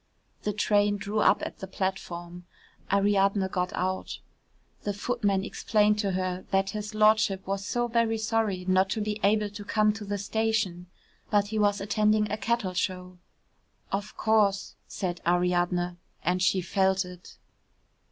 The train drew up at the platform. Ariadne got out. The footman explained to her that his Lordship was so very sorry not to be able to come to the station, but he was attending a cattle show. "Of course," said Ariadne, and she felt it.